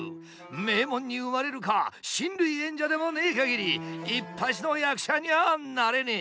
名門に生まれるか親類縁者でもねえかぎりいっぱしの役者にはなれねえ。